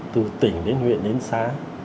từ tỉnh đến huyện đến xá